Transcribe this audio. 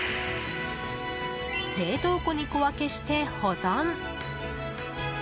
冷凍庫に小分けして保存。